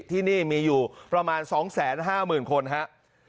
ที่นี่มีอยู่ประมาณ๒๕๐๐๐คนครับ